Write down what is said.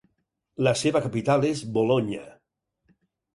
La seva capital és Bolonya.